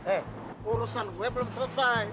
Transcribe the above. eh urusan gue belum selesai